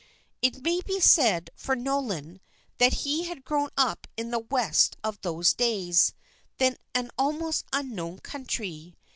It may be said for Nolan that he had grown up in the West of those days, then an almost unknown country.